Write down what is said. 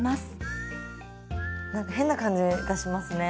何か変な感じがしますね。